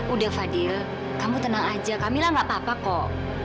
udah fadil kamu tenang aja kamilah nggak apa apa kok